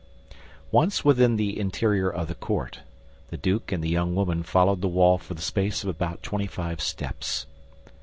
Once within the interior of the court, the duke and the young woman followed the wall for the space of about twenty five steps.